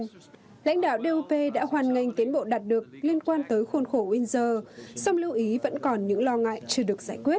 nhưng lãnh đạo d u p đã hoàn nghênh tiến bộ đạt được liên quan tới khuôn khổ windsor song lưu ý vẫn còn những lo ngại chưa được giải quyết